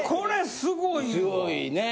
すごいね。